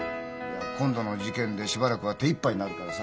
今度の事件でしばらくは手いっぱいになるからさ。